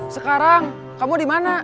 sekarang kamu dimana